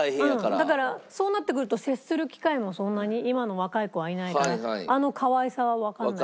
だからそうなってくると接する機会もそんなに今の若い子はいないからあのかわいさはわかんない。